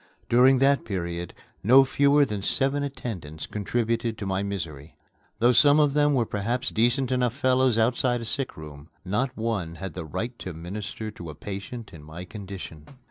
During that period, no fewer than seven attendants contributed to my misery. Though some of them were perhaps decent enough fellows outside a sickroom, not one had the right to minister to a patient in my condition.